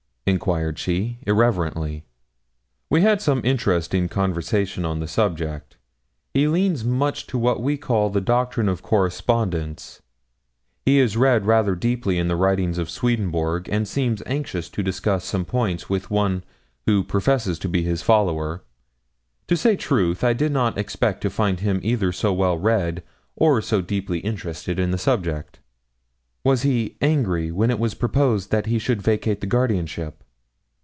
inquired she, irreverently. 'We had some interesting conversation on the subject. He leans much to what we call the doctrine of correspondents. He is read rather deeply in the writings of Swedenborg, and seemed anxious to discuss some points with one who professes to be his follower. To say truth, I did not expect to find him either so well read or so deeply interested in the subject.' 'Was he angry when it was proposed that he should vacate the guardianship?'